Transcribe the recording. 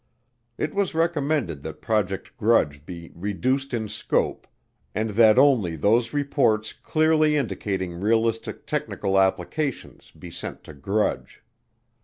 It was recommended that Project Grudge be "reduced in scope" and that only "those reports clearly indicating realistic technical applications" be sent to Grudge.